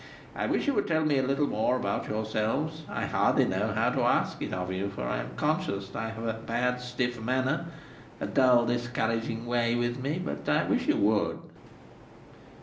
I wish you would tell me a little more about yourselves. I hardly know how to ask it of you, for I am conscious that I have a bad stiff manner, a dull discouraging way with me, but I wish you would."